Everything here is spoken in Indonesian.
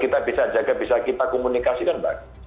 kita bisa jaga bisa kita komunikasi kan pak